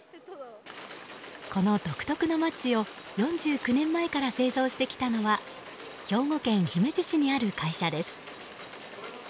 この独特なマッチを４９年前から製造してきたのは兵庫県姫路市にある会社です。